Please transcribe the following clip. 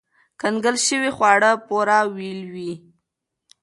کنګل شوي خواړه پوره ویلوئ.